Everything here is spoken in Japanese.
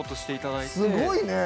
すごいね！